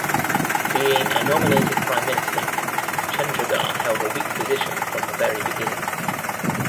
Being a nominated Prime Minister, Chundrigar held a weak position from the very beginning.